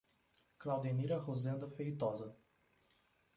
Claudenira Rozenda Feitosa